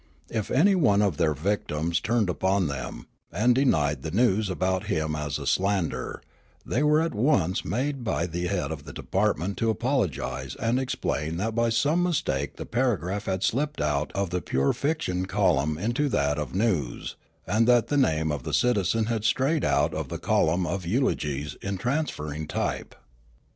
If any one of their victims turned upon them and de nied the news about him as a slander, they were at once made by the head of the department to apologise and explain that b}' some mistake the paragraph had slipped out of the pure fiction column into that of news, and that the name of the citizen had strayed out of the column of eulogies in transferring type.